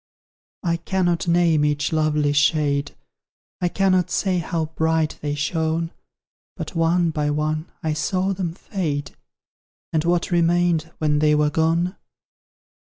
I cannot name each lovely shade; I cannot say how bright they shone; But one by one, I saw them fade; And what remained when they were gone?